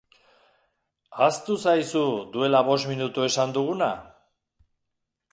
Ahaztu zaizu duela bost minutu esan duguna?